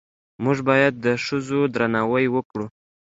موږ باید د ښځو درناوی وکړو